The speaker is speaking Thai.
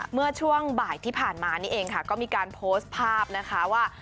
เมื่อช่วงบ่ายที่ผ่านมานี่เองค่ะก็มีการโพสต์ภาพนะคะว่า